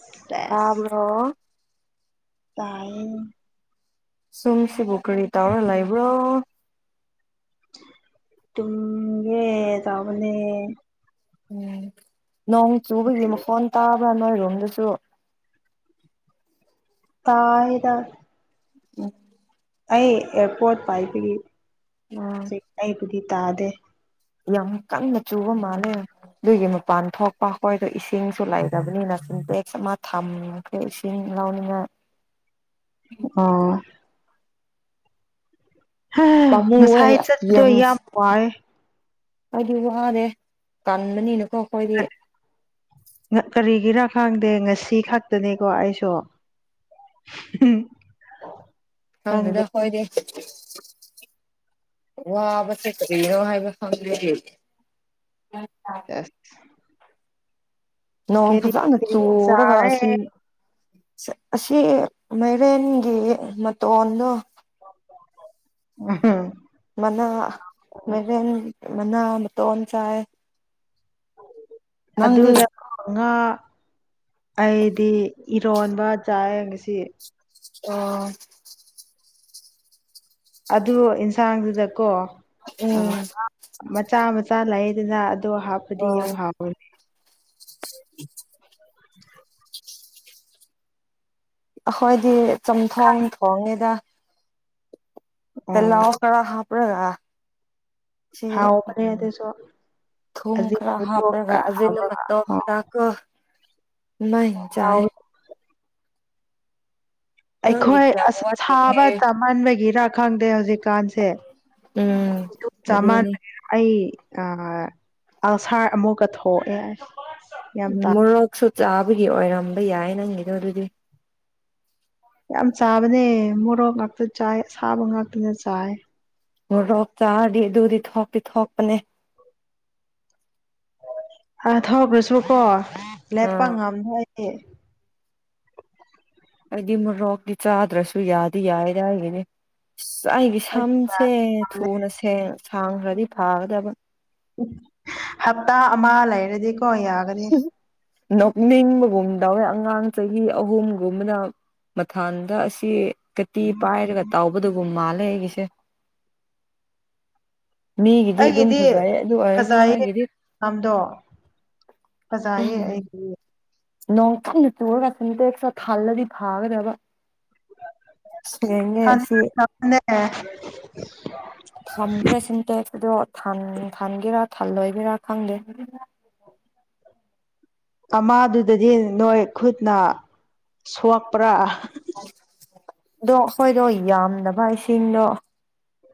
ꯁꯦꯁ ꯭ꯇꯥꯕꯔꯣ ꯇꯥꯏꯌꯦ ꯁꯣꯝꯁꯤꯕꯨ ꯀꯔꯤ ꯇꯧꯔ ꯂꯩꯕ꯭ꯔꯣ ꯫ ꯇꯨꯝꯒꯦ ꯇꯧꯕꯅꯦ ꯎꯝ ꯅꯣꯡ ꯆꯨꯕꯒꯤ ꯃꯈꯣꯟ ꯇꯥꯕ꯭ꯔꯥ ꯅꯣꯏꯔꯣꯝꯗꯁꯨ ꯇꯥꯏꯗ [unintelligible] ꯑꯩ ꯑꯦꯔꯄꯣꯔꯠ ꯄꯥꯏꯕꯒꯤ꯫ ꯍꯧꯖꯤꯛ [unintelligible] ꯑꯩꯕꯨꯗꯤ ꯇꯥꯗꯦ꯫ ꯌꯥꯝ ꯀꯟꯅ ꯆꯨꯕ ꯃꯥꯜꯂꯦ꯫ ꯑꯗꯨꯏꯒꯤ ꯃꯄꯥꯟ ꯊꯣꯛꯄ ꯑꯩꯈꯣꯏꯗꯣ ꯏꯁꯤꯡꯁꯨ ꯂꯩꯗꯕꯅꯤꯅ ꯁꯤꯟꯇꯦꯛꯁ ꯑꯃ ꯊꯝ ꯑꯩ ꯏꯁꯤꯡ ꯂꯥꯎꯅꯤꯡꯉꯥꯏ꯫ ꯑꯥ꯫ ꯄꯃꯨꯋ ꯉꯁꯥꯏ ꯆꯠꯄꯗꯣ ꯌꯦꯟ ꯌꯥꯝ ꯋꯥꯔꯦ ꯑꯩꯗꯤ ꯋꯥꯔꯦ ꯀꯟꯕꯅꯤꯅꯀꯣ ꯑꯩꯈꯣꯏꯗꯤ ꯀꯔꯤꯒꯤꯔꯥ ꯈꯪꯗꯦ ꯉꯁꯤ ꯈꯛꯇꯅꯤꯀꯣ ꯑꯩꯁꯨ [unintelligible] ꯈꯪꯗꯦꯗ ꯈꯪꯗꯦ ꯍꯣꯏꯗꯤ ꯋꯥꯕꯁꯦ ꯀꯔꯤꯅꯣ ꯍꯥꯏꯕ ꯈꯪꯗꯦ ꯁꯦꯖ ꯅꯣꯡ ꯐꯖꯅ ꯀꯦꯔꯤ ꯆꯨꯔꯒ ꯆꯥꯔꯦ ꯑꯁꯤꯜ꯫ ꯑꯁꯤ ꯃꯥꯏꯔꯦꯟꯒꯤ ꯃꯇꯣꯟꯗꯣ꯫ [unintelligible] ꯃꯅꯥ ꯃꯥꯏꯔꯦꯟ ꯃꯅꯥ ꯃꯇꯣꯟ ꯆꯥꯏꯌꯦ꯫ ꯅꯪꯗꯤ ꯑꯗꯨꯗ꯫ ꯉꯥ ꯑꯩꯗꯤ ꯏꯔꯣꯟꯕ ꯆꯥꯌꯦ ꯉꯁꯤꯗꯤ꯫ ꯑ꯫ ꯑꯗꯨ ꯌꯦꯟꯁꯥꯡꯗꯨꯗꯀꯣ ꯑ꯫ ꯎꯝ ꯃꯆꯥ ꯃꯆꯥ ꯂꯩꯗꯅ ꯑꯗꯣ ꯍꯥꯞꯄꯗꯤ ꯑꯣ ꯌꯥꯝ ꯍꯥꯎꯋꯦ꯫ [inaudible] ꯑꯩꯈꯣꯏꯗꯤ ꯆꯝꯊꯣꯡ ꯊꯣꯡꯉꯤꯗ꯫ ꯑꯣ ꯇꯤꯜꯂꯧꯒ ꯍꯥꯄꯔꯒ꯫ ꯁꯤ ꯍꯥꯎꯕꯅꯦ ꯎꯝ ꯑꯗꯨꯁꯨ ꯊꯨꯝꯃ ꯑꯖꯤꯅ ꯈꯔ ꯃꯇꯣꯛ ꯍꯥꯄꯔꯒ ꯈꯔ ꯍꯥꯞꯄꯒ [unintelligible] ꯑꯣ ꯈꯔ꯫ ꯀꯣ ꯍꯥꯎꯋꯤ [unintelligible] ꯅꯪꯒꯤ ꯑꯩꯈꯣꯏ ꯀꯌꯥꯝ ꯑꯁ ꯁꯥꯕ ꯋꯥꯠꯂꯤꯒꯦ ꯆꯥꯃꯟꯕꯒꯤꯔꯥ ꯈꯪꯗꯦ ꯍꯧꯖꯤꯛꯀꯥꯟꯁꯦ꯫ ꯎꯝ ꯑꯗꯨꯅꯤ ꯆꯥꯃꯥꯟꯕꯒꯤꯔ꯫ ꯑꯩ ꯑ ꯑꯥꯜꯁꯥꯔ ꯑꯃꯨꯛꯀ ꯊꯣꯛꯑꯦ꯫ ꯌꯥꯝ ꯎꯝ ꯇꯥ ꯃꯣꯔꯣꯛꯁꯨ ꯆꯥꯕꯒꯤ ꯑꯣꯏꯔꯝꯕ ꯌꯥꯏ ꯅꯪꯒꯤꯗꯣ ꯑꯗꯨꯗꯤ꯫ ꯌꯥꯝ ꯆꯥꯕꯅꯦ ꯃꯣꯔꯣꯛ ꯉꯥꯛꯇ ꯆꯥꯏ ꯑꯁꯥꯕ ꯉꯥꯛꯇꯒ ꯆꯥꯏ꯫ ꯃꯣꯔꯣꯛ ꯆꯥꯔꯗꯤ ꯑꯗꯨꯗꯤ ꯊꯣꯛꯇꯤ ꯊꯣꯛꯄꯅꯦ꯫ ꯑ ꯊꯣꯛꯈ꯭ꯔꯁꯨꯀꯣ ꯂꯦꯞꯄ ꯑꯥ ꯉꯝꯗꯦ ꯑꯩꯗꯤ꯫ ꯍꯥꯏꯗꯤ ꯃꯣꯔꯣꯛꯇꯤ ꯆꯥꯗ꯭ꯔꯁꯨ ꯌꯥꯗꯤ ꯌꯥꯏꯌꯦꯗ ꯑꯩꯒꯤꯗꯤ꯫ ꯑꯩꯒꯤ ꯑꯩ ꯁꯝꯁꯦ ꯌꯥꯗꯦ ꯊꯨꯅ ꯁꯦꯡ ꯁꯥꯡꯈ꯭ꯔꯗꯤ ꯐꯒꯗꯕ꯫ ꯍꯞꯇꯥ ꯑꯃ ꯂꯩꯔꯗꯤꯀꯣ ꯌꯥ ꯅꯣꯛꯅꯤꯡꯕꯒꯨꯝ ꯇꯧꯋꯦ ꯑꯉꯥꯡ ꯆꯍꯤ ꯑꯍꯨꯝꯒꯨꯝꯕꯅ꯫ ꯃꯊꯥꯟꯗ ꯑꯁꯤ ꯀꯇꯤ ꯄꯥꯏꯔꯒ ꯇꯥꯎꯕꯗꯒꯨꯝ ꯃꯥꯜꯂꯦ ꯑꯩꯒꯤꯁꯦ꯫ ꯃꯤꯒꯤꯗꯤ ꯑꯗꯨꯝ ꯑꯩꯒꯤꯗꯤ ꯐꯖꯩ ꯑꯗꯨ ꯑꯣꯏꯔꯁꯨ ꯐꯖꯌꯦ꯫ ꯑꯩꯒꯤꯗꯤ ꯁꯝꯗꯣ ꯐꯖꯌꯦ ꯑꯩꯒꯤꯗꯤ꯫ ꯅꯣꯡꯐꯨꯡꯅ ꯆꯨꯔꯒ ꯁꯦꯟꯇꯦꯁꯇꯨ ꯊꯜꯂꯗꯤ ꯐꯥꯒꯗꯕ꯫ ꯁꯦꯡꯉꯦ ꯁꯤ [inaudible] ꯊꯝꯈ꯭ꯔꯦ ꯁꯤꯟꯇꯦꯛꯁ ꯑꯗꯣ ꯊꯟ ꯊꯟꯒꯦꯔꯥ ꯊꯜꯂꯣꯏꯒꯦꯔꯥ ꯈꯪꯗꯦ꯫ [inaudible] ꯑꯃꯥꯗꯨꯗꯗꯤ ꯅꯣꯏ ꯈꯨꯠꯅ ꯁꯣꯛꯄ꯭ꯔꯥ꯫ ꯑꯗꯣ ꯑꯩꯈꯣꯏꯗꯣ ꯌꯥꯝꯗꯕ ꯏꯁꯤꯡꯗꯣ꯫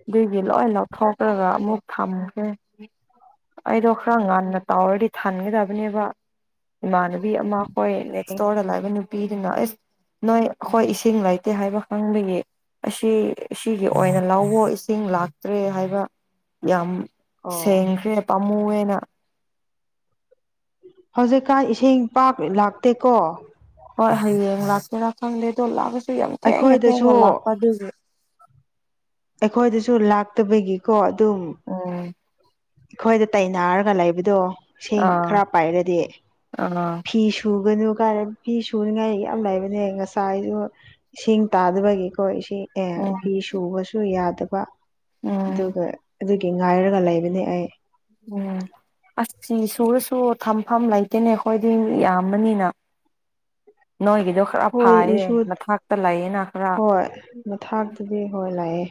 ꯑꯗꯨꯒꯤ ꯂꯣꯏ ꯂꯧꯊꯣꯛꯈ꯭ꯔꯒ ꯑꯃꯨꯛ ꯊꯝꯒꯦ꯫ ꯑꯩꯗꯣ ꯈꯔ ꯉꯟꯅ ꯇꯧꯔꯗꯤ ꯊꯥꯟꯒꯗꯕꯅꯦꯕ ꯏꯃꯥꯟꯅꯕꯤ ꯅꯑꯃ ꯍꯣꯏ ꯅꯦꯛꯁꯠ ꯏꯁ꯭ꯇꯣꯔꯗ ꯂꯩꯕ ꯅꯨꯄꯤꯗꯨꯅ ꯑꯁ ꯅꯣꯏ ꯑꯩꯈꯣꯏ ꯏꯁꯤꯡ ꯂꯩꯇꯦ ꯍꯥꯏꯕ ꯈꯪꯕꯒꯤ ꯑꯁꯤ ꯑꯁꯤꯒꯤ ꯑꯣꯏꯅ ꯂꯑꯣ ꯏꯁꯤꯡ ꯂꯥꯛꯇ꯭ꯔꯦ ꯍꯥꯏꯕ ꯌꯥꯝ ꯑꯣ ꯁꯦꯡꯈ꯭ꯔꯦ ꯄꯥꯝꯃꯨꯑꯦꯅ ꯍꯧꯖꯤꯛꯀꯥꯟ ꯏꯁꯤꯡ ꯄꯥꯛ ꯂꯥꯛꯇꯦꯀꯣ ꯍꯣꯏ ꯍꯌꯦꯡ ꯂꯥꯛꯀꯦꯔꯥ ꯈꯪꯗꯦ ꯑꯗꯣ ꯂꯥꯛꯑꯁꯨ ꯌꯥꯝ ꯊꯦꯡꯉ ꯑꯩꯈꯣꯏꯗꯁꯨ ꯊꯦꯡꯉ ꯂꯥꯛꯄ ꯑꯗꯨꯒꯤ ꯑꯩꯈꯣꯏꯗꯁꯨ ꯂꯥꯛꯇꯕꯒꯤꯀꯣ ꯑꯗꯨꯝ ꯎꯝ ꯑꯩꯈꯣꯏꯗ ꯇꯥꯏꯅꯔꯒ ꯂꯩꯕꯗꯣ ꯏꯁꯤꯡ ꯑꯥ ꯈꯔ ꯄꯥꯏꯔꯗꯤ ꯑꯥ ꯐꯤꯁꯨ ꯁꯨꯒꯅꯨ ꯀꯥꯏꯅ ꯐꯤ ꯁꯨꯅꯤꯉꯥꯏ ꯌꯥꯝ ꯂꯩꯕꯅꯦ ꯉꯁꯥꯏꯒꯤꯁꯨ꯫ ꯏꯁꯤꯡ ꯇꯥꯗꯕꯒꯤꯀꯣ ꯏꯁꯤꯡ꯫ ꯑꯦ ꯎꯝ ꯐꯤ ꯁꯨꯕꯁꯨ ꯌꯥꯗꯕ ꯎꯝ ꯑꯗꯨꯒ ꯑꯗꯨꯒꯤ ꯉꯥꯏꯔꯒ ꯂꯩꯕꯅꯦ꯫ ꯑꯩ꯫ ꯎꯝ꯫ ꯑꯁ ꯐꯤ ꯁꯨꯔꯁꯨ ꯊꯝꯐꯝ ꯂꯩꯇꯦꯅꯦ ꯑꯩꯈꯣꯏꯗꯤ ꯃꯤ ꯌꯥꯝꯕꯅꯤꯅ꯫ ꯅꯣꯏꯒꯤꯗꯣ ꯈꯔ ꯐꯥꯏꯌꯦ ꯍꯣꯏꯁꯨ ꯃꯊꯇ ꯂꯩꯌꯦꯅ ꯈꯔ ꯍꯣꯏ ꯃꯊꯥꯛꯇꯨꯗꯤ ꯍꯣꯏ ꯂꯩꯌꯦ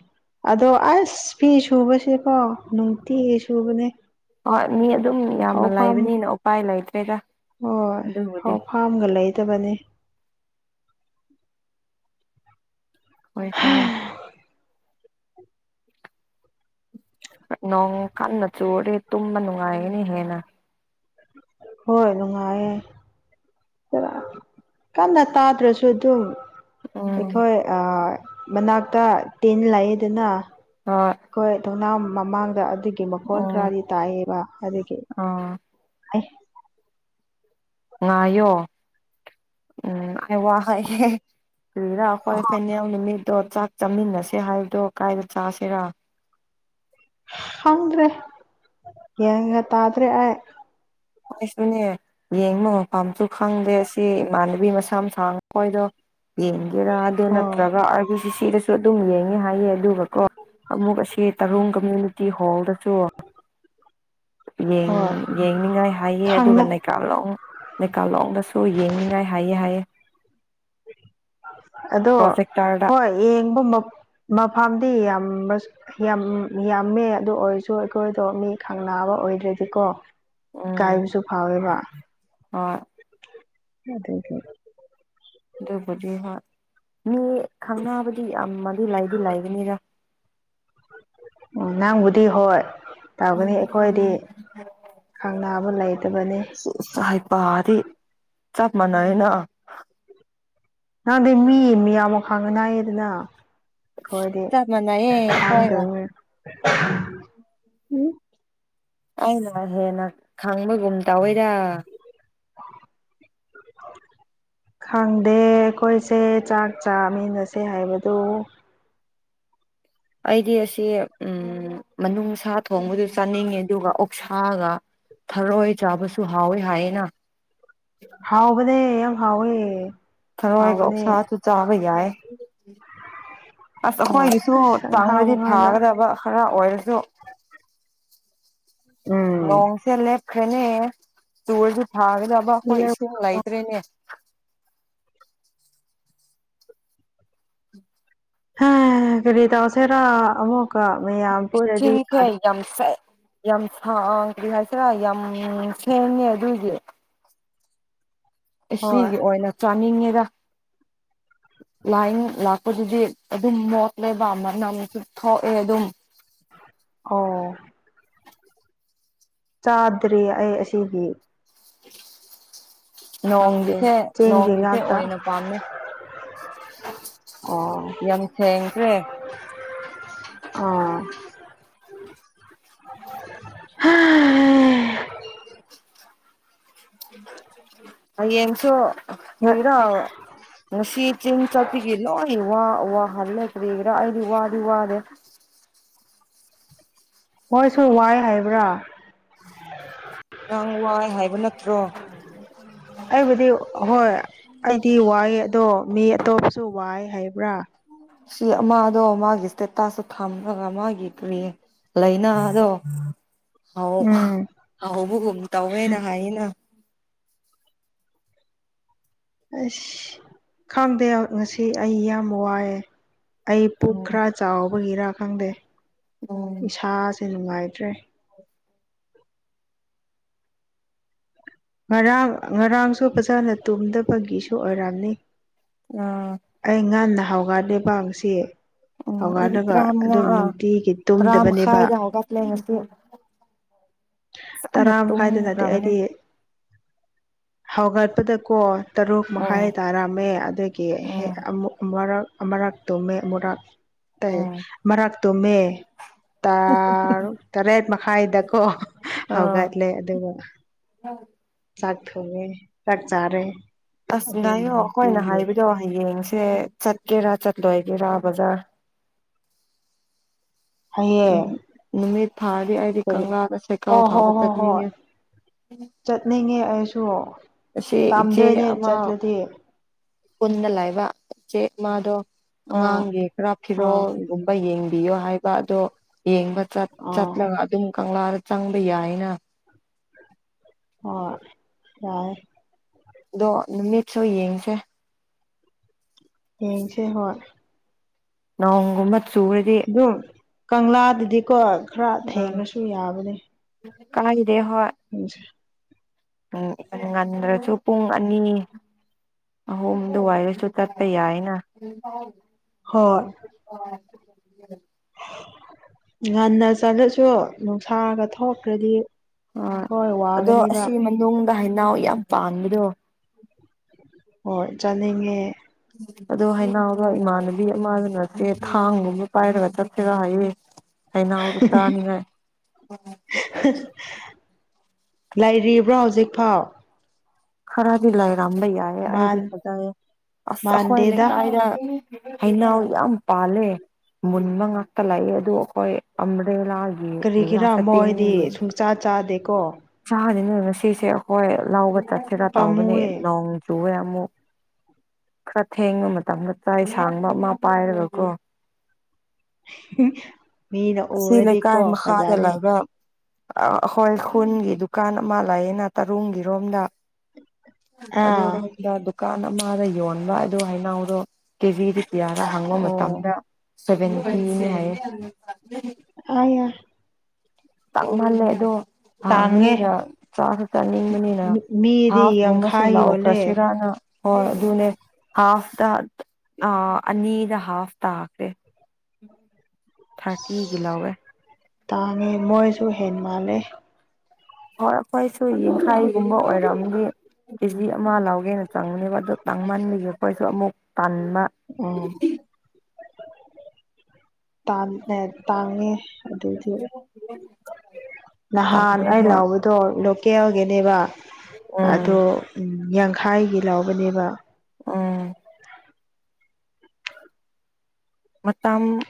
ꯑꯗꯣ ꯑꯁ ꯐꯤ ꯁꯨꯕꯁꯦꯀꯣ ꯅꯨꯡꯇꯤ ꯁꯨꯕꯅꯦ ꯍꯣꯏ ꯃꯤ ꯑꯗꯨꯝ ꯌꯥꯝꯅ ꯐꯥꯎꯐꯝ ꯂꯩꯕꯅꯤꯅ ꯎꯄꯥꯏ ꯂꯩꯇ꯭ꯔꯦꯗ ꯍꯣꯏ ꯑꯗꯨꯕꯨꯗꯤ ꯐꯥꯎ ꯐꯥꯝꯒ ꯂꯩꯗꯕꯅꯤ ꯍꯣꯏ ꯅꯣꯡ ꯀꯟꯅ ꯆꯨꯔꯤ ꯇꯨꯝꯕ ꯅꯨꯡꯉꯥꯏꯒꯅꯤ ꯍꯦꯟꯅ ꯍꯣꯏ ꯅꯨꯡꯉꯥꯏꯌꯦ ꯀꯟꯅ ꯇꯥꯗ꯭ꯔꯁꯨ ꯑꯗꯨꯝ ꯎꯝ ꯑꯩꯈꯣꯏ ꯃꯅꯥꯛꯇ ꯇꯤꯟ ꯂꯩꯌꯦꯗꯅ ꯑ ꯍꯣꯏ ꯊꯧꯅꯥ ꯃꯃꯥꯡꯗ ꯑꯗꯨꯒꯤ ꯃꯈꯣꯟ ꯈꯔꯗꯤ ꯇꯥꯌꯦꯕ ꯑꯗꯨꯒꯤ ꯑꯣꯥ [unintelligible] ꯉꯥꯏꯌꯣ ꯎꯝ ꯑꯩ ꯍꯥꯏꯒꯦ ꯀꯨꯏꯔꯥ ꯑꯩꯈꯣꯏ ꯐꯦꯅꯦꯜ ꯅꯨꯃꯤꯠꯇꯣ ꯆꯥꯛ ꯆꯥꯃꯤꯟꯅꯁꯦ ꯍꯥꯏꯕꯗꯣ ꯀꯥꯏꯗ ꯆꯁꯤꯔꯥ ꯈꯪꯗ꯭ꯔꯦ ꯒꯌꯥꯡꯒ ꯇꯥꯗ꯭ꯔꯦ ꯑꯩ ꯑꯩꯁꯨꯅꯦ ꯌꯦꯡꯉꯣ ꯃꯄꯥꯝꯁꯨ ꯈꯪꯗꯦ ꯁꯤ ꯏꯃꯥꯟꯅꯕꯤ ꯃꯁꯝ ꯁꯥꯡꯕ ꯍꯣꯏꯗꯣ ꯌꯦꯡꯒꯦꯔꯥ ꯑꯗꯨ ꯑꯣ ꯅꯠꯇ꯭ꯔꯒ ꯑꯒꯤ ꯁꯤ ꯁꯤꯗꯁꯨ ꯑꯗꯨꯝ ꯌꯦꯡꯉꯦ ꯍꯥꯏꯌꯦ ꯑꯗꯨꯒ ꯀꯣ ꯑꯃꯨꯛ ꯑꯁꯤ ꯇꯔꯨꯡ ꯀꯝꯃ꯭ꯌꯨꯅꯤꯇꯤ ꯍꯣꯜꯗꯁꯨ ꯌꯦꯡ ꯍꯣꯏ ꯌꯦꯡꯅꯤꯡꯉꯥꯏ ꯍꯥꯏꯌꯦ ꯈꯪꯅ ꯑꯗꯨꯒꯅꯦ ꯀꯥ [unintelligible] ꯍꯣ ꯌꯦꯡꯅꯤꯡꯉꯥꯏ ꯍꯥꯏꯌꯦ ꯍꯥꯏꯌꯦ ꯑꯗꯣ ꯄ꯭ꯔꯣꯖꯦꯛꯇꯔꯗ ꯍꯣꯏ ꯌꯦꯡꯕ ꯃ ꯃꯐꯝꯗꯤ ꯌꯥꯝ ꯌꯥꯝ ꯌꯥꯝꯃꯦ ꯑꯗꯨ ꯑꯣꯏꯔꯁꯨ ꯑꯩꯈꯣꯏꯗꯣ ꯃꯤ ꯈꯪꯅꯕ ꯑꯣꯏꯗ꯭ꯔꯗꯤꯀꯣ ꯎꯝ ꯀꯥꯏꯕꯁꯨ ꯐꯥꯋꯦꯕ ꯍꯣꯏ ꯑꯗꯨꯕꯨ ꯑꯗꯨꯕꯨꯗꯤ ꯍꯣꯏ ꯃꯤ ꯈꯪꯅꯗꯤ ꯌꯥꯝꯅꯗꯤ ꯂꯏꯗꯤ ꯂꯏꯕꯅꯤ ꯎ ꯅꯪꯕꯨꯗꯤ ꯍꯣꯏ ꯇꯥꯕꯅꯤ ꯑꯩꯈꯣꯏꯗꯤ ꯈꯪꯅꯕ ꯂꯩꯇꯕꯅꯤ ꯑꯁ ꯍꯩꯄꯥꯗꯤ ꯆꯞ ꯃꯅꯔꯦꯅ [unintelligible] ꯈꯣꯏꯗꯤ ꯆꯞ ꯃꯥꯟꯅꯩꯌꯦ ꯑꯩꯈꯣꯏꯒ [unintelligible] ꯎꯝ ꯑꯩꯅ ꯍꯦꯟꯅ ꯈꯪꯕꯒꯨꯝ ꯇꯧꯋꯤꯗ [unintelligible] ꯈꯪꯗꯦ ꯑꯩꯈꯣꯏꯁꯦ ꯆꯥꯛ ꯆꯥꯃꯤꯟꯅꯁꯦ ꯍꯥꯏꯕꯗꯨ ꯑꯩꯗꯤ ꯑꯁꯤ ꯎꯝ ꯃꯅꯨꯡ ꯁꯥ ꯊꯣꯡꯕꯗꯨ ꯆꯥꯅꯤꯡꯉꯦ ꯑꯗꯨꯒ ꯑꯣꯛ ꯁꯥꯒ ꯊꯔꯣꯏ ꯆꯥꯕꯁꯨ ꯍꯥꯎꯋꯤ ꯍꯥꯏꯌꯦꯅ ꯍꯥꯎꯕꯅꯦ ꯌꯥꯝ ꯍꯥꯎꯌꯦ ꯊꯥꯔꯣꯏꯒ ꯑꯣꯛꯁꯥꯁꯨ ꯆꯥꯕ ꯌꯥꯏ ꯑꯁ ꯍꯣꯏ ꯑꯩꯈꯣꯏꯒꯤꯁꯨ ꯑꯁ ꯑꯍꯥꯎꯕ ꯆꯥꯡꯔꯗꯤ ꯉꯥꯛꯇ ꯐꯥꯒꯗꯕ ꯈꯔ ꯑꯣꯏꯔꯁꯨ ꯎꯝ ꯅꯣꯡꯁꯦ ꯂꯦꯞꯈ꯭ꯔꯦꯅꯦ ꯆꯨꯔꯥꯁꯨ ꯐꯥꯒꯗꯕ ꯑꯩꯈꯣꯏ ꯏꯁꯤꯡ ꯂꯩꯇ꯭ꯔꯦꯅꯦ ꯎꯝ ꯍꯦ ꯀꯔꯤ ꯇ꯭ꯋꯁꯦꯔꯥ ꯑꯃꯨꯛ ꯀ [unintelligible] ꯍꯣꯏ ꯌꯥꯝ [unintelligible] ꯍꯣꯏ ꯑꯁꯤꯒꯤ ꯑꯣꯏꯅ ꯆꯥꯅꯤꯡꯉꯤꯗ ꯂꯥꯏꯟ ꯂꯥꯛꯄꯗꯨꯗꯤ ꯑꯗꯨꯝ ꯃꯣꯠꯂꯦꯕ ꯑꯅꯝꯁꯨ ꯊꯣꯛꯑꯦ ꯑꯗꯨꯝ ꯑꯣ ꯆꯥꯗ꯭ꯔꯦ ꯑꯩ ꯑꯁꯤꯒꯤ ꯈꯪꯗꯦ ꯅꯣꯡꯒꯤꯁꯦ ꯆꯦꯡꯒꯤ ꯅꯣꯡꯒꯤꯁꯦ ꯉꯥꯛꯇ ꯑꯣꯏꯅ ꯄꯥꯝꯃꯦ ꯑꯣ ꯌꯥꯝ ꯊꯦꯡꯈ꯭ꯔꯦ ꯑꯥ [inaudible] ꯍꯌꯦꯡꯁꯨ ꯀꯔꯤꯔ ꯉꯁꯤ ꯆꯤꯡ ꯆꯠꯄꯤꯒꯤ ꯂꯣꯏ ꯋꯥ ꯋꯥꯍꯜꯂꯦ ꯀꯔꯤꯒꯤꯔꯥ ꯑꯩꯗꯤ ꯋꯥꯗꯤ ꯋꯥꯔꯦ ꯃꯣꯏꯁꯨ ꯋꯥꯏ ꯍꯥꯏꯕ꯭ꯔꯥ ꯅꯪ ꯋꯥꯏ ꯍꯥꯏꯕ ꯅꯠꯇ꯭ꯔꯣ [inaudible] ꯑꯩꯕꯨꯗꯤ ꯍꯣꯏ ꯑꯩꯗꯤ ꯋꯥꯏꯑꯦ ꯑꯗꯣ ꯃꯤ ꯑꯇꯣꯞꯄꯁꯨ ꯋꯥꯏ ꯍꯥꯏꯕ꯭ꯔꯥ ꯁꯤ ꯑꯃ ꯑꯗꯣ ꯃꯥꯒꯤ ꯏꯁꯇꯦꯇꯥꯁꯇꯣ ꯊꯝꯔꯒ ꯃꯥꯒꯤ ꯀꯔꯤ ꯂꯩꯅꯥꯗꯣ ꯍꯧ ꯎꯝ ꯍꯧꯕꯒꯨꯝ ꯇꯧꯋꯦꯅ ꯍꯥꯏꯌꯦꯅ ꯑꯁ ꯈꯪꯗꯦ ꯉꯁꯤ ꯑꯩ ꯌꯥꯝ ꯋꯥꯏꯑꯦ ꯑꯩ ꯄꯨꯛ ꯎꯝ ꯈꯔ ꯆꯥꯎꯕꯒꯤꯔꯥ ꯈꯪꯗꯦ ꯎꯝ ꯏꯁꯥꯁꯦ ꯅꯨꯡꯉꯥꯏꯇ꯭ꯔꯦ ꯉꯔꯥꯡ ꯉꯔꯥꯡꯁꯨ ꯐꯖꯅ ꯇꯨꯝꯗꯕꯒꯤꯁꯨ ꯑꯣꯏꯔꯝꯅꯤ ꯑꯥ ꯑꯩ ꯉꯥꯟꯅ ꯍꯥꯎꯒꯠꯂꯦꯕ ꯉꯁꯤ ꯎꯝ ꯑꯩꯗꯤ ꯍꯧꯒꯠꯂꯒ ꯇꯔꯥꯃꯉꯥ ꯑꯗꯨꯝ ꯅꯨꯡꯇꯤꯒꯤ ꯇꯔꯥ ꯇꯨꯝꯗꯕꯅꯦꯕ ꯃꯈꯥꯏꯗ ꯍꯧꯒꯠꯂꯦ ꯉꯁꯤ ꯆꯥꯅ ꯇꯔꯥ ꯃꯈꯥꯏꯗ ꯅꯠꯇꯦ ꯇꯨꯝꯈ꯭ꯔꯕꯅꯦ ꯑꯩꯗꯤ ꯍꯧꯒꯠꯄꯗꯀꯣ ꯇꯔꯨꯛ ꯎꯝ ꯃꯈꯥꯏ ꯇꯥꯔꯝꯃꯦ ꯑꯗꯨ ꯀꯤ ꯍꯦꯛ ꯎꯝ ꯑꯃꯨꯛ ꯃꯔꯛ ꯑꯃꯔꯥꯛ ꯇꯨꯝꯃꯦ ꯑꯃꯨꯔꯥꯛ ꯇꯩ ꯎꯝ ꯃꯔꯛ ꯇꯨꯝꯃꯦ ꯇꯔꯨꯛ ꯇꯔꯦꯠ ꯃꯈꯥꯏꯗꯀꯣ ꯑꯥ ꯍꯧꯒꯠꯂꯦ ꯑꯗꯨꯒ ꯆꯥꯛ ꯊꯣꯡꯉꯦ ꯆꯥꯛ ꯆꯥꯔꯦ ꯑꯁ ꯑꯗꯨ ꯉꯥꯏꯌꯣ ꯑꯩꯈꯣꯏꯅ ꯍꯥꯏꯕꯗꯣ ꯍꯌꯦꯡꯁꯦ ꯆꯠꯀꯦꯔꯥ ꯆꯠꯂꯣꯏꯒꯦꯔꯥ ꯕꯖꯥꯔ ꯎꯝ ꯍꯌꯦꯡ ꯅꯨꯃꯤꯠ ꯊꯥꯔꯗꯤ ꯑꯩꯗꯤ ꯀꯔꯤ ꯀꯪꯂꯥꯗ ꯁꯩꯀꯥꯎ ꯑꯣ ꯍꯣ ꯊꯥꯎꯕ ꯍꯣ ꯍꯣꯏ ꯆꯠꯅꯤꯡꯉꯦ ꯆꯠꯅꯤꯡꯉꯦ ꯑꯩꯁꯨ ꯑꯁꯤ ꯏꯆꯦ ꯀꯥꯝꯗꯣꯏꯅꯦ ꯑꯃ ꯆꯠꯂꯗꯤ ꯄꯨꯟꯅ ꯂꯥꯏꯕ ꯆꯦ ꯃꯥꯗꯣ ꯑꯥ ꯑꯉꯥꯡꯒꯤ ꯈꯔ ꯑꯥ ꯐꯤꯔꯣꯜꯒꯨꯝ ꯍꯣꯏ ꯌꯦꯡꯕꯤꯌꯣ ꯍꯥꯏꯕ ꯑꯗꯣ ꯌꯦꯡꯕ ꯆꯠ ꯑꯥ ꯆꯠꯂꯒ ꯑꯗꯨꯝ ꯀꯪꯂꯥꯗ ꯆꯪꯕ ꯌꯥꯏꯅ ꯍꯣꯏ ꯌꯥꯏ ꯗꯣ ꯅꯨꯃꯤꯠꯁꯨ ꯌꯦꯡꯁꯦ ꯌꯦꯡꯁꯦ ꯍꯣꯏ ꯅꯣꯡꯒꯨꯝꯕ ꯆꯨꯔꯗꯤ ꯑꯗꯨꯝ ꯀꯪꯂꯥꯗꯨꯗꯤꯀꯣ ꯈꯔ ꯊꯦꯡꯉꯁꯨ ꯌꯥꯕꯅꯦ ꯀꯅꯗꯦ ꯍꯣꯏ ꯎꯝ ꯎꯝ ꯌꯥꯝ ꯉꯟꯗ꯭ꯔꯁꯨ ꯄꯨꯡ ꯑꯅꯤ ꯑꯍꯣꯕꯗꯨ ꯋꯥꯏꯔꯁꯨ ꯇꯠꯄ ꯌꯥꯏꯅ ꯍꯣꯏ ꯉꯟꯅ ꯆꯠꯂꯁꯨ ꯅꯨꯡꯁꯥꯒ ꯊꯣꯛꯈ꯭ꯔꯗꯤ ꯈꯣꯏ ꯋꯥꯒꯅꯤꯕ ꯅꯨꯡꯗ ꯍꯩꯅꯥꯎ ꯌꯥꯝ ꯄꯥꯟꯕꯗꯣ ꯍꯣꯏ ꯆꯥꯅꯤꯡꯉꯦ ꯑꯗꯣ ꯍꯩꯅꯥꯎꯗꯣ ꯏꯃꯥꯟꯅꯕꯤ ꯑꯃꯗ ꯅꯠꯇꯦ ꯊꯥꯡꯒꯨꯝꯕ ꯄꯥꯏꯔꯒ ꯆꯠꯁꯤꯔꯥ ꯍꯥꯏꯌꯦ ꯍꯩꯅꯧꯗꯣ ꯆꯥꯅꯤꯡꯉꯥꯏ [inaudible] ꯂꯩꯔꯤꯕ꯭ꯔꯣ ꯍꯧꯖꯤꯛꯐꯥꯎ ꯈꯔꯗꯤ ꯂꯥꯏꯔꯝꯕ ꯌꯥꯏꯌꯦ ꯃꯥꯟ ꯑꯩꯗꯤ ꯐꯖꯩ ꯑꯁ ꯑꯩꯈ꯭ꯣꯏ ꯃꯥꯟꯗꯦꯗ ꯂꯩꯀꯥꯏꯗ ꯍꯅꯥꯎ ꯌꯥꯝ ꯄꯥꯜꯂꯦ ꯃꯨꯟꯕ ꯉꯥꯛꯇ ꯂꯥꯛꯑꯦ ꯑꯗꯨꯣ ꯑꯩꯈꯣꯏ ꯑꯝꯕ꯭ꯔꯦꯂꯥ ꯀꯔꯤꯒꯤꯔꯥ ꯃꯣꯏꯗꯤ ꯁꯨꯡꯆꯥ ꯆꯥꯗꯦꯀꯣ ꯆꯥꯕꯅꯤꯅ ꯉꯁꯤꯁꯦ ꯑꯩꯈꯣꯏ ꯂꯧꯕ ꯆꯠꯁꯤꯔꯥ ꯇꯧꯕꯅꯦ ꯄꯥꯝꯃꯨꯌꯦ ꯅꯣꯡ ꯆꯨꯋꯦ ꯑꯃꯨꯛ ꯈꯔ ꯊꯦꯡꯕ ꯃꯇꯝꯗ ꯆꯩ ꯁꯥꯡꯕ ꯑꯃ ꯄꯥꯏꯔꯒꯀꯣ ꯃꯤꯅ ꯑꯁꯤ ꯎꯔꯗꯤꯀꯣ ꯂꯩꯀꯥꯏ ꯃꯈꯥꯗ ꯐꯖꯅꯤ ꯂꯩꯕ ꯑꯩꯈꯣꯏ ꯈꯨꯟꯒꯤ ꯗꯨꯀꯥꯟ ꯑꯃ ꯂꯩꯌꯦꯅ ꯇꯔꯨꯡꯒꯤꯔꯣꯝꯗ ꯑꯥ ꯑꯗꯨꯔꯣꯝꯗ ꯗꯨꯀꯥꯟ ꯑꯃꯗ ꯌꯣꯟꯕ ꯑꯗꯨ ꯍꯩꯅꯧꯗꯣ ꯀꯦꯖꯤꯗ ꯀꯌꯥꯔꯥ ꯍꯪꯕ ꯑꯣ ꯃꯇꯝꯗ ꯁꯚꯦꯟꯇꯤꯅꯦ ꯍꯥꯏꯌꯦ [unintelligible] ꯇꯥꯡꯃꯜꯂꯦ ꯑꯗꯣ ꯇꯥꯡꯉꯦ ꯍꯥꯡꯕꯅꯤꯅ ꯆꯥꯁꯨ ꯆꯥꯅꯤꯡꯕꯅꯤꯅ ꯃꯤꯗꯤ ꯍꯥꯐꯒꯨꯝꯕꯁꯨ ꯌꯥꯡꯈꯥꯏ ꯌꯣꯜꯂꯦ ꯂꯥꯎꯈ꯭ꯔꯁꯤꯔꯥꯅ ꯍꯣꯏ ꯑꯗꯨꯅꯦ ꯍꯥꯐꯇ ꯑ ꯑꯅꯤꯗ ꯍꯥꯐ ꯇꯥꯈ꯭ꯔꯦ ꯊꯥꯔꯇꯤꯒꯤ ꯂꯧꯋꯦ ꯇꯥꯡꯉꯦ ꯃꯣꯏꯁꯨ ꯍꯦꯟꯃꯥꯜꯂꯦ ꯍꯣꯏ ꯑꯩꯈꯣꯏꯁꯨ ꯌꯦꯡꯈꯩꯒꯨꯝꯕ ꯑꯣꯏꯔꯝꯒ ꯀꯦ ꯖꯤ ꯑꯃ ꯂꯧꯒꯦꯅ ꯆꯪꯕꯅꯦꯕ ꯑꯗꯣ ꯇꯥꯡꯃꯟꯕꯒꯤ ꯑꯩꯈꯣꯏꯁꯨ ꯑꯃꯨꯛ ꯇꯥꯟꯕ ꯎꯝ ꯇꯥꯟ ꯑ ꯇꯥꯡꯉꯤ [inaudible] ꯅꯍꯥꯟ ꯇꯜꯂꯦ ꯑꯩ ꯍꯣꯏ ꯂꯥꯎꯕꯗꯣ ꯂꯣꯀꯦꯜꯒꯤꯅꯦꯕ ꯎꯝ ꯑꯗꯨ ꯌꯥꯡꯈꯥꯏꯒꯤ ꯂꯥꯎꯕꯅꯦꯕ ꯑꯣ ꯃꯇꯝ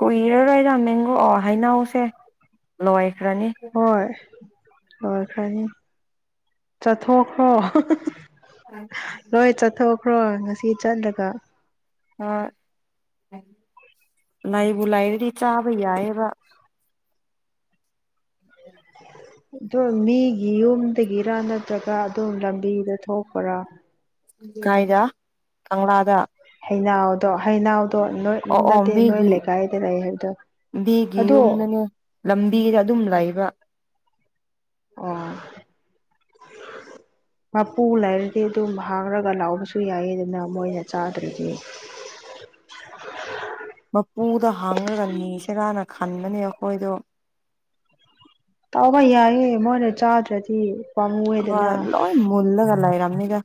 ꯀꯨꯏꯔꯔꯣꯏꯗ ꯃꯦꯡꯒꯣ ꯍꯩꯅꯥꯎꯁꯦ ꯂꯣꯏꯈ꯭ꯔꯅꯤ ꯍꯣꯏ ꯍꯣꯏ ꯐꯅꯤ ꯆꯠꯊꯣꯛꯈ꯭ꯔꯣ [unintelligible] ꯅꯣꯏ ꯆꯠꯊꯣꯛꯈ꯭ꯔꯣ ꯉꯁꯤ ꯆꯠꯂꯒ ꯑ ꯂꯥꯏꯕꯨ ꯂꯥꯏꯔꯗꯤ ꯆꯥꯕ ꯌꯥꯏꯌꯦꯕ ꯎ ꯑꯗꯨꯝ ꯃꯤꯒꯤ ꯌꯨꯝꯗꯒꯤꯔ ꯅꯠꯇ꯭ꯔꯒ ꯑꯗꯨꯝ ꯂꯝꯕꯤꯗ ꯊꯣꯛꯄꯔꯥ ꯀꯥꯏꯗ ꯀꯪꯂꯥꯗ ꯍꯩꯅꯥꯎꯗꯣ ꯍꯩꯩꯅꯥꯎꯗꯣ ꯅꯣꯏ ꯎ ꯑꯣ ꯑꯣ ꯅꯠꯇꯦ ꯅꯣꯏ ꯃꯤꯒꯤ ꯂꯩꯀꯥꯏꯗ ꯂꯩ ꯍꯥꯏꯕꯗ ꯃꯤꯒꯤ ꯑꯗꯣ ꯌꯨꯝꯗꯅꯦ ꯂꯝꯕꯤꯗ ꯑꯗꯨꯝ ꯂꯩꯕ ꯑꯣ ꯃꯄꯨ ꯂꯩꯔꯗꯤ ꯑꯗꯨꯝ ꯍꯥꯡꯉꯒ ꯂꯥꯎꯕꯁꯨ ꯌꯥꯏꯌꯦ ꯑꯗꯨꯅ ꯃꯣꯏꯅ ꯆꯥꯗ꯭ꯔꯗꯤ ꯃꯄꯨꯗ ꯍꯥꯡꯉꯒ ꯅꯤꯁꯤꯔꯥꯅ ꯈꯟꯕꯅꯦ ꯑꯩꯈꯣꯏꯗꯣ ꯇꯧꯕ ꯌꯥꯏꯑꯦ ꯃꯣꯏꯅ ꯆꯥꯗ꯭ꯔꯗꯤ ꯍꯣꯢ ꯄꯥꯝꯃꯨꯌꯦꯗꯅ ꯂꯣꯏ ꯃꯨꯜꯂꯒ ꯂꯩꯔꯝꯅꯤꯗ